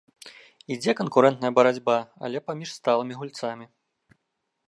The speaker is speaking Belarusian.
Ідзе канкурэнтная барацьба, але паміж сталымі гульцамі.